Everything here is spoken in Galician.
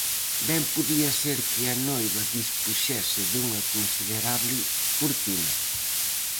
Ben podía ser que a noiva dispuxese dunha considerable fortuna.